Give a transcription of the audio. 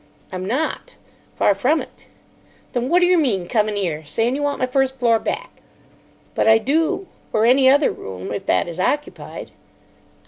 "I'm not. Far from it." "Then what d'yer mean coming 'ere saying you want my first floor back?" "But I do. Or any other room, if that is occupied."